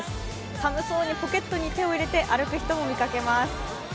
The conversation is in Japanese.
寒そうにポケットに手を入れて歩く人も見かけます。